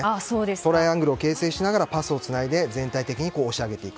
トライアングルを形成しながらパスをつないで、全体的に押し上げていく。